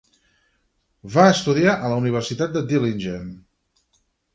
Va estudiar a la Universitat de Dillingen.